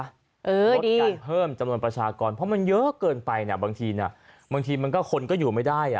ลดการเพิ่มจำนวนประชากรเพราะมันเยอะเกินไปนะบางทีมันก็คนก็อยู่ไม่ได้